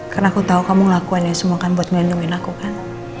karena aku tau kamu ngelakuinnya semua kan buat ngandungin aku kan